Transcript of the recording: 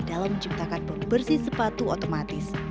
dalam menciptakan pembersih sepatu otomatis